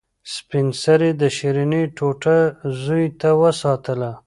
سپین سرې د شیرني ټوټه زوی ته وساتله.